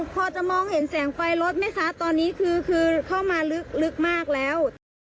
พอจะมองเห็นแสงไฟรถไหมคะตอนนี้คือเข้ามาลึกมากแล้ว